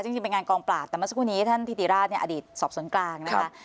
จริงเป็นงานกองปราบแต่เมื่อสักครู่นี้ท่านธิติราชเนี่ยอดีตสอบสวนกลางนะคะ